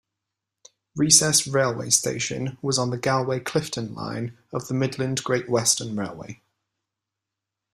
Recess railway station was on the Galway-Clifden line of the Midland Great Western Railway.